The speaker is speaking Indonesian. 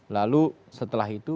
lalu setelah itu